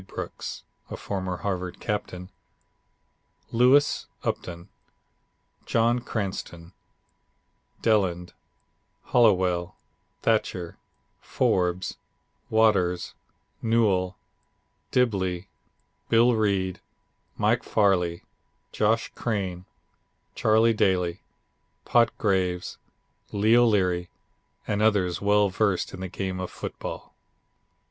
Brooks, a former Harvard captain, Lewis, Upton, John Cranston, Deland, Hallowell, Thatcher, Forbes, Waters, Newell, Dibblee, Bill Reid, Mike Farley, Josh Crane, Charlie Daly, Pot Graves, Leo Leary, and others well versed in the game of football.